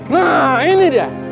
nah ini dia